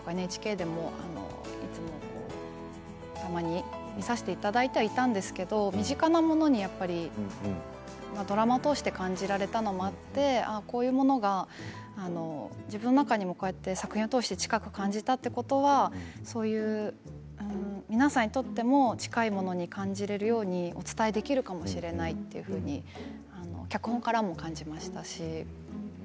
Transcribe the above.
ＮＨＫでもいつも、たまに見させていただいてはいたんですけれど身近なものにやっぱりドラマを通して感じられたのもあってこういうものが自分の中にもこうして作品を通して近く感じたということは皆さんにとっても近いものに感じられるようにお伝えできるかもしれないっていうふうに脚本からも感じましたし。